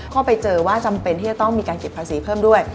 ก็ไปเจอว่าจำเป็นที่จะต้องมีการเก็บภาษีเพิ่มด้วย